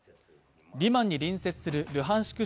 リマンに隣接するルハンシク